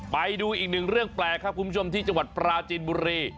ไปดูอีกหนึ่งเรื่องแปลกครับคุณผู้ชมที่จังหวัดปราจีนบุรี